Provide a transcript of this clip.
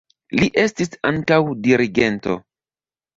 Li estis ankaŭ dirigento.